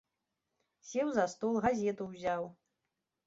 Сеў за стол, газету ўзяў.